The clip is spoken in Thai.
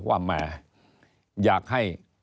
แหมอยากให้